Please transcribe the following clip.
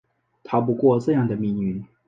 逃不过这样的命运